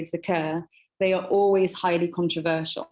mereka selalu sangat kontroversial